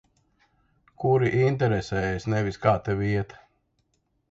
Kuri interesējas nevis kā tev iet.